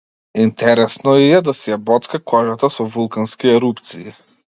Интересно и е да си ја боцка кожата со вулкански ерупции.